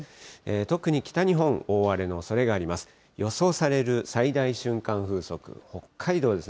特に北日本、大荒れのおそれがあります。